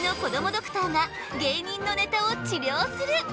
ドクターが芸人のネタを治りょうする！